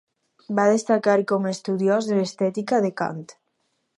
Va destacar com a estudiós de l'estètica de Kant.